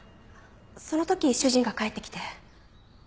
その時主人が帰ってきて。